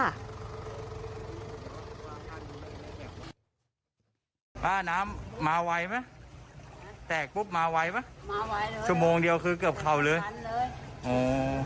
น้ำมันมาไวไหมแตกปุ๊บมาไวไหมมาไวเลยชั่วโมงเดียวคือเกือบเข่าเลยไม่ทันเลย